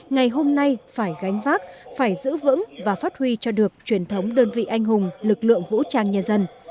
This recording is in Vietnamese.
ngày hôm nay phải gánh vác phải giữ vững và phát huy cho được truyền thống đơn vị anh hùng lực lượng vũ trang nhân dân